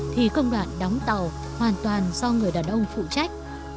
thì công đoạn đóng tàu hoàn toàn do người đàn ông phụ trách